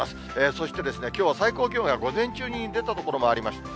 そして、きょうは最高気温が午前中に出た所もありました。